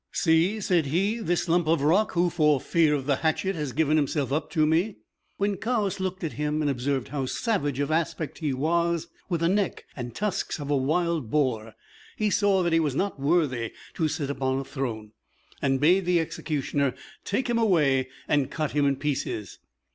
"See," said he, "this lump of rock, who, for fear of the hatchet has given himself up to me!" When Kaoüs looked at him and observed how savage of aspect he was, with the neck and tusks of a wild boar, he saw that he was not worthy to sit upon a throne, and bade the executioner take him away and cut him in pieces.